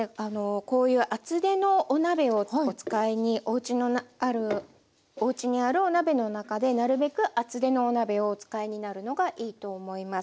こういう厚手のお鍋をお使いにおうちにあるお鍋の中でなるべく厚手のお鍋をお使いになるのがいいと思います。